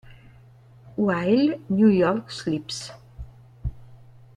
While New York Sleeps